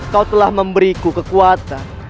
kau telah memberiku kekuatan